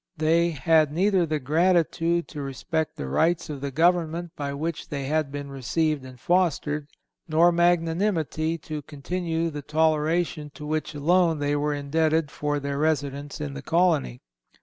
They "had neither the gratitude to respect the rights of the government by which they had been received and fostered, nor magnanimity to continue the toleration to which alone they were indebted for their residence in the colony.